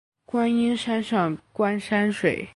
观音山上观山水